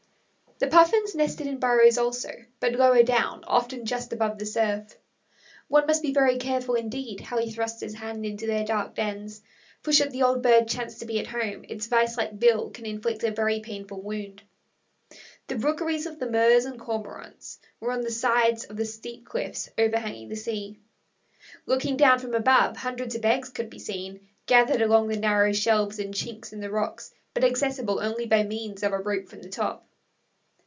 The Puffins nested in burrows also, but lower down often just above the surf. One must be very careful, indeed, how he thrusts his hand into their dark dens, for should the old bird chance to be at home, its vise like bill can inflict a very painful wound. The rookeries of the Murres and Cormorants were on the sides of steep cliffs overhanging the sea. Looking down from above, hundreds of eggs could be seen, gathered along the narrow shelves and chinks in the rocks, but accessible only by means of a rope from the top.